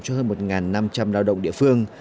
cho hơn một năm trăm linh lao động địa phương